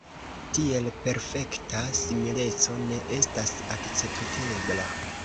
Tiel perfekta simileco ne estas akceptebla.